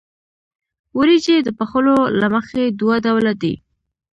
وریجې د پخولو له مخې دوه ډوله دي.